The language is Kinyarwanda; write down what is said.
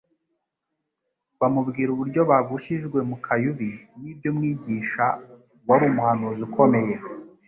Bamubwira uburyo bagushijwe mu kayubi n'iby'Umwigisha wari umuhanuzi ukomeye